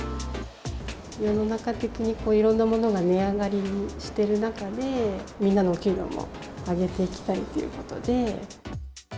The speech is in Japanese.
世の中的に、いろんなものが値上がりしてる中で、みんなのお給料も上げていきたいということで。